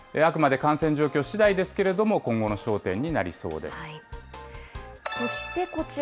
あくまで感染状況しだいですけれども、今後の焦点になりそうです。